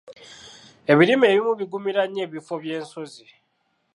Ebirime ebimu bigumira nnyo ebifo by'ensozi.